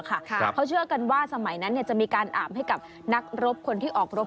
เขาเชื่อกันว่าสมัยนั้นจะมีการอาบให้กับนักรบคนที่ออกรบ